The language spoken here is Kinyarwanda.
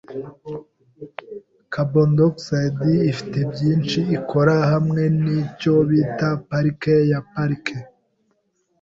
CO₂ ifite byinshi ikora hamwe nicyo bita parike ya parike.